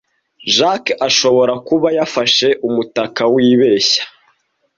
Jack ashobora kuba yafashe umutaka wibeshya.